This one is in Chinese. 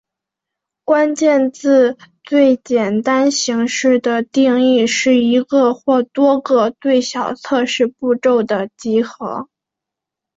关键字最简单形式的定义是一个或多个最小测试步骤的集合。